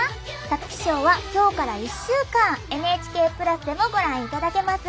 皐月賞はきょうから１週間「ＮＨＫプラス」でもご覧いただけます。